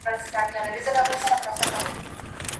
حقوق او عدالت د هر چا حق دی.